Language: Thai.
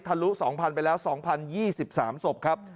ลุ๒๐๐ไปแล้ว๒๐๒๓ศพครับ